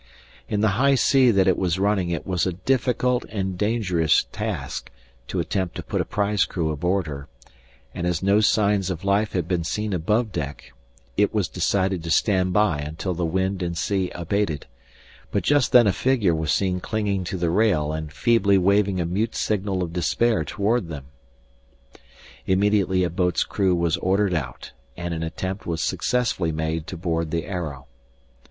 In the high sea that was running it was a difficult and dangerous task to attempt to put a prize crew aboard her; and as no signs of life had been seen above deck, it was decided to stand by until the wind and sea abated; but just then a figure was seen clinging to the rail and feebly waving a mute signal of despair toward them. Immediately a boat's crew was ordered out and an attempt was successfully made to board the Arrow.